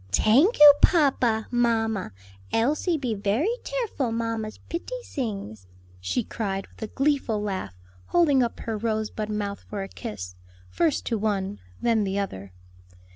"Tank oo, papa, mamma; Elsie be very tareful mamma's pitty sings," she cried with a gleeful laugh, holding up her rosebud mouth for a kiss, first to one, then the other.